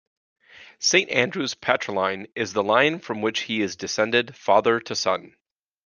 Saint Andrews's patriline is the line from which he is descended father to son.